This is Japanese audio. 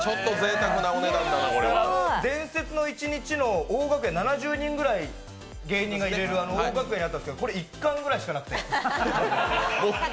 「伝説の一日」の大楽屋、７０人ぐらい芸人がいられる大楽屋にあったんですけどこれ１缶ぐらいしかなくて。